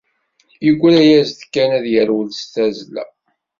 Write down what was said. Yegra-yas-d kan ad yerwel s tazzla.